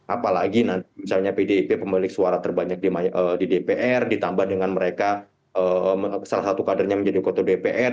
apalagi nanti misalnya pdip pemilik suara terbanyak di dpr ditambah dengan mereka salah satu kadernya menjadi kota dpr